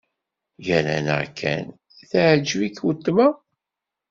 Gar-aneɣ kan, teɛjeb-ik weltma?